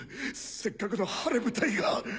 せっかくの晴れ舞台が。